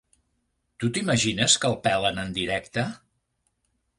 Tu t'imagines que el pelen en directe?